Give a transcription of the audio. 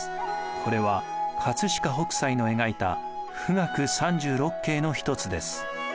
これは飾北斎の描いた「富嶽三十六景」の一つです。